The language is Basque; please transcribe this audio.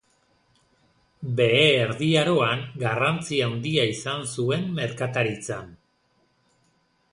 Behe Erdi Aroan garrantzi handia izan zuen merkataritzan.